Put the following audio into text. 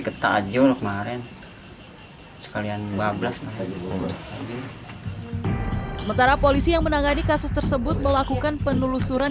ke tajur kemarin sekalian dua belas sementara polisi yang menangani kasus tersebut melakukan penelusuran